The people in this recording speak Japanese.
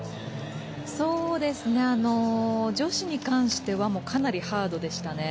女子に関してはもう、かなりハードでしたね。